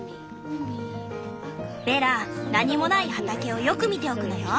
ベラ何もない畑をよく見ておくのよ。